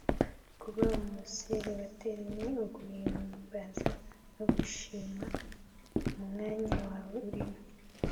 kuba umuseribateri ni uguhimbaza no gushima umwanya wawe urimo